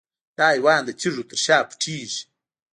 دا حیوان د تیږو تر شا پټیږي.